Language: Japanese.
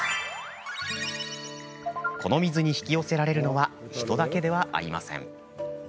この水に引き寄せられるのは人だけではありません。